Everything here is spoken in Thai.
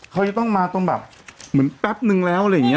เขาจะต้องมาตรงแบบเหมือนแป๊บนึงแล้วอะไรอย่างนี้